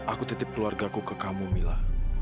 aku titip keluarga aku ke kamu milla